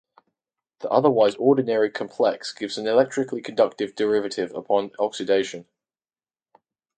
The otherwise ordinary complex gives an electrically conductive derivative upon oxidation.